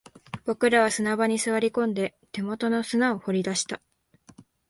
僕らは砂場に座り込んで、手元の砂を掘り出した